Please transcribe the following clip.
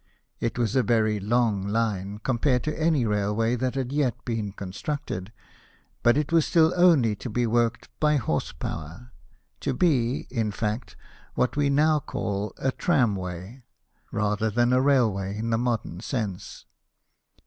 It was a very long line, compared to any railway that had yet been constructed ; but it was still only to be worked by horse power to be, in fact, what we now call a tramway, rather than a railway in the modern sense.